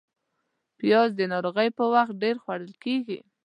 پیاز د ناروغۍ پر وخت ډېر خوړل کېږي